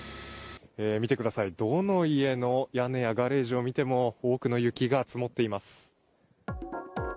見てください、どの家の屋根やガレージを見ても多くの雪が積もっています。